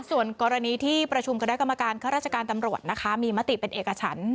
ส่วนกรณีที่ประชุมคณะกรรมการข้าราชการตำรวจนะคะมีมติเป็นเอกฉัน